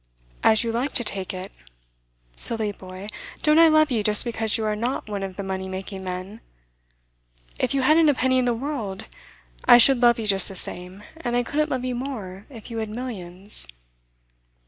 'As you like to take it. Silly boy, don't I love you just because you are not one of the money making men? If you hadn't a penny in the world, I should love you just the same; and I couldn't love you more if you had millions.